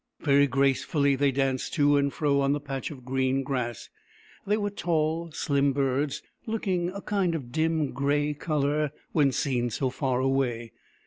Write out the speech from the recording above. Very gracefully they danced to and fro on the patch of green grass. They were tall, slim birds, looking a kind of dim grey colour when seen so far away.